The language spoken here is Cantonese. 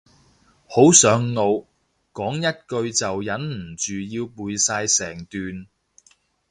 好上腦，講一句就忍唔住要背晒成段